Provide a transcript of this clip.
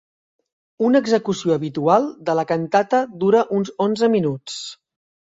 Una execució habitual de la cantata dura uns onze minuts.